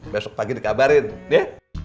besok pagi dikabarin ya